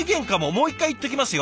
もう一回言っときますよ。